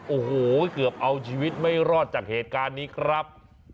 โอ้โหเกือบเอาชีวิตไม่รอดจากเหตุการณ์นี้ครับ